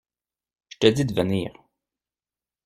Je te dis de venir.